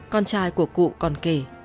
con trai của cụ còn kể